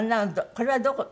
これはどこ？